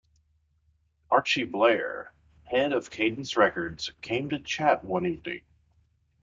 Archie Bleyer, head of Cadence Records, came to chat one evening.